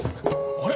あれ？